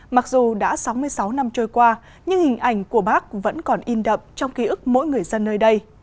mặc dù đã sáu mươi sáu năm trôi qua nhưng hình ảnh của bác vẫn còn in đậm trong ký ức mỗi người dân nơi đây